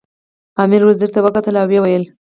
امیر وزیر ته وکتل او ویې ویل.